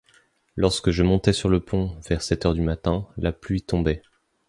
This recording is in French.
Lorsque je montai sur le pont, vers sept heures du matin, la pluie tombait.